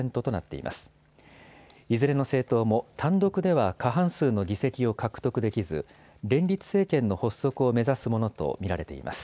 いずれの政党も単独では過半数の議席を獲得できず、連立政権の発足を目指すものと見られています。